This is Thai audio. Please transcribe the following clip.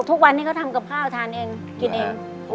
ทุกวันนี้เขาทำกับข้าวทานเองกินเอง